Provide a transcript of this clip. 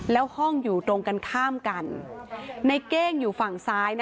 แล้วห้องอยู่ตรงกันข้ามกัน